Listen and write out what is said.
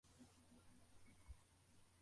Abagabo babiri barimo kuzamuka mu rutare ku isoko